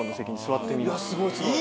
いやすごいすごい。